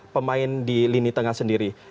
pemain di lini tengah sendiri